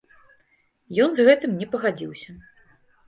Ён з гэтым не пагадзіўся.